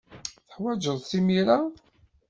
Teḥwajed-tt imir-a?